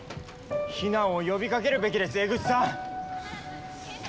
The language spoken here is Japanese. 避難を呼びかけるべきです江口さん！